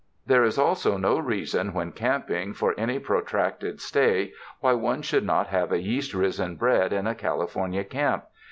There is also no reason, when camping for any protracted stay, why one should not have yeast risen bread in a California camp.